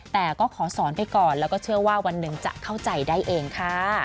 แต่ก็ขอสอนไปก่อนแล้วก็เชื่อว่าวันหนึ่งจะเข้าใจได้เองค่ะ